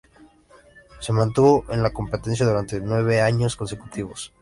Se mantuvo en la competencia durante nueve años consecutivos.